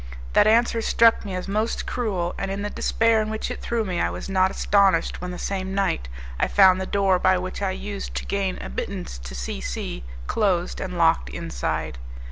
That answer struck me as most cruel, and in the despair in which it threw me I was not astonished when the same night I found the door by which I used to gain admittance to C C closed and locked inside.